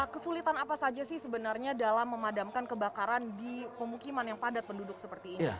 kesulitan apa saja sih sebenarnya dalam memadamkan kebakaran di pemukiman yang padat penduduk seperti ini